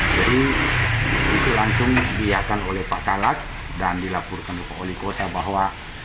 jadi itu langsung diahkan oleh pak kalat dan dilaporkan oleh pak oli kosa bahwa